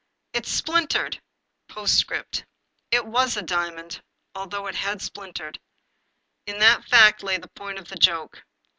" It's spHntered !" POSTSCRIPT It was a diamond, although it had splintered. In that fact lay the point of the joke.